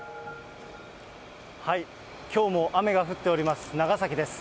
きょうも雨が降っております、長崎です。